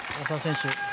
大澤選手